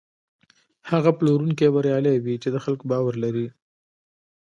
هغه پلورونکی بریالی وي چې د خلکو باور لري.